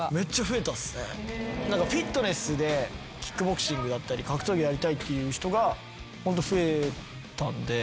何かフィットネスでキックボクシングだったり格闘技やりたいっていう人がホント増えたんで。